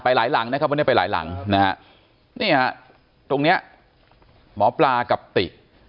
หลายหลังนะครับวันนี้ไปหลายหลังนะฮะนี่ฮะตรงเนี้ยหมอปลากับติ